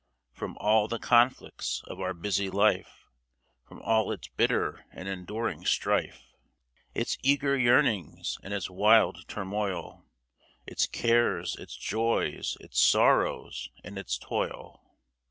From all the conflicts of our busy life, From all its bitter and enduring strife, Its eager yearnings and its wild turmoil, Its cares, its joys, its sorrows and its toil.